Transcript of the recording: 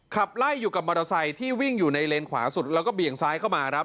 ขับไล่อยู่กับมอเตอร์ไซค์ที่วิ่งอยู่ในเลนขวาสุดแล้วก็เบี่ยงซ้ายเข้ามาครับ